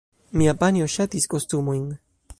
Mia panjo ŝatis kostumojn.